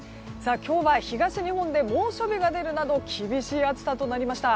今日は東日本で猛暑日が出るなど厳しい暑さとなりました。